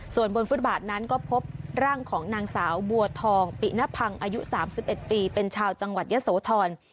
ส่วนบนฟุตบาทนั้นก็พบร่างของนางสาวบัวทองปิณพังอายุ๓๑ปีเป็นชาวจังหวัดยะโสธร